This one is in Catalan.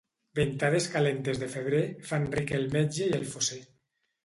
Ventades calentes de febrer fan ric el metge i el fosser.